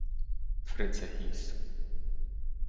Fritze" hieß.